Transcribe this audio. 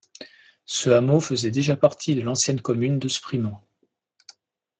Ce hameau faisait déjà partie de l'ancienne commune de Sprimont.